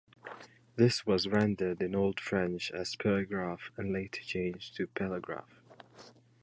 This was rendered in Old French as "paragraphe" and later changed to "pelagraphe".